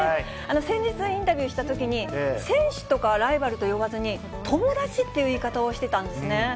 先日、インタビューしたときに、選手とかライバルと呼ばずに、友達っていう言い方をしてたんですね。